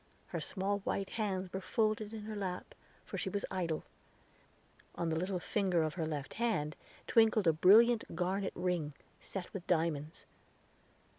Her small white hands were folded in her lap, for she was idle; on the little finger of her left hand twinkled a brilliant garnet ring, set with diamonds.